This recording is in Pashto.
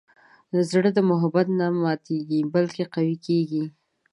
زړه د محبت نه ماتیږي، بلکې قوي کېږي.